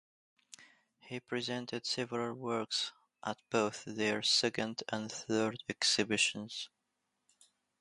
He presented several works at both their second and third exhibitions.